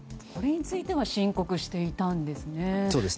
これについては申告していたんですね。